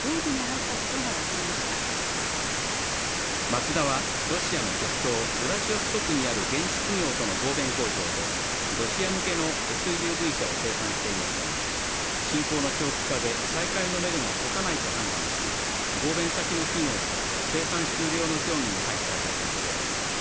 マツダはロシアの極東ウラジオストクにある合弁工場でロシア向けのＳＵＶ車を生産していましたが、侵攻の長期化で再開のめどが立たないと判断し合弁先の企業と生産終了の協議に入ったということです。